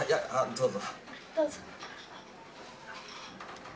どうぞ。